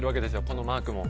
このマークも。